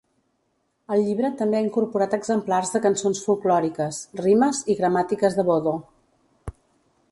El llibre també ha incorporat exemplars de cançons folklòriques, rimes i gramàtiques de Bodo.